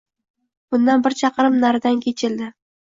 Bundan bir chaqirim naridan kechildi